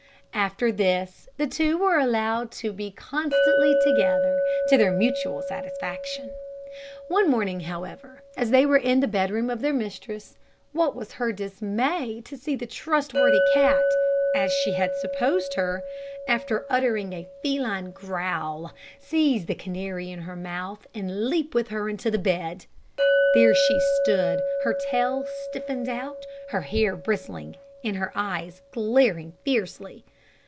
After this, the two were allowed to be constantly together, to their mutual satisfaction. One morning, however, as they were in the bed room of their mistress, what was her dismay to see the trustworthy cat, as she had supposed her, after uttering a feline growl, seize the canary in her mouth, and leap with her into the bed. There she stood, her tail stiffened out, her hair bristling, and her eyes glaring fiercely.